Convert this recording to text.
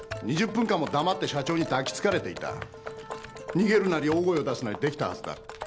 逃げるなり大声を出すなりできたはずだ。